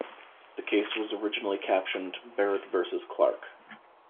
The case was originally captioned "Barrett versus Clark".